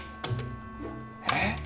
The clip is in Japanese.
えっ？